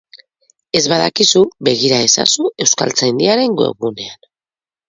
Ez badakizu, begira ezazu Euskaltzaindiaren webgunean.